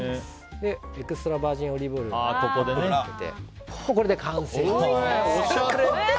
エクストラバージンオリーブオイルをかけてこれで完成です。